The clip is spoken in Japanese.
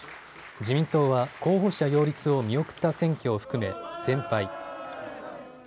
自民党は候補者擁立を見送った選挙を含め全敗。